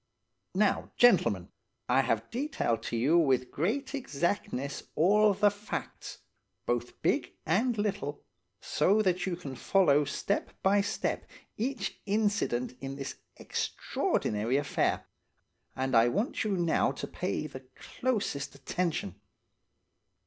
"Now, gentlemen, I have detailed to you with great exactness all the facts, both big and little, so that you can follow step by step each incident in this extraordinary affair, and I want you now to pay the closest attention.